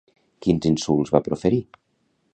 Quins insults va proferir?